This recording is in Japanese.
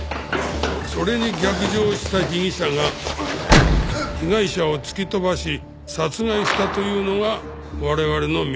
それに逆上した被疑者が被害者を突き飛ばし殺害したというのが我々の見立てだった。